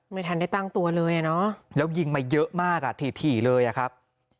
ไม่ทันได้ตั้งตัวเลยอ่ะเนอะแล้วยิงมาเยอะมากอ่ะถี่เลยอะครับ